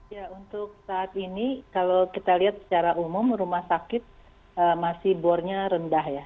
ya untuk saat ini kalau kita lihat secara umum rumah sakit masih bornya rendah ya